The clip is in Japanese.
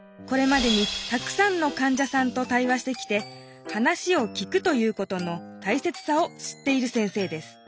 これまでにたくさんの患者さんとたい話してきて「話を聞く」ということの大切さを知っている先生です